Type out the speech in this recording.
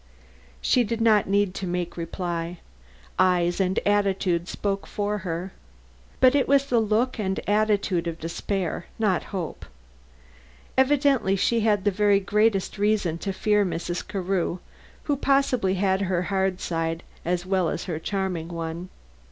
She did not need to make reply; eyes and attitude spoke for her. But it was the look and attitude of despair, not hope. Evidently she had the very greatest reason to fear Mrs. Carew, who possibly had her hard side as well as her charming one.